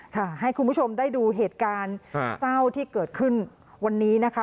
ค่ะให้คุณผู้ชมได้ดูเหตุการณ์เศร้าที่เกิดขึ้นวันนี้นะคะ